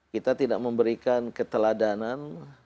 kita tidak memberikan keteladanan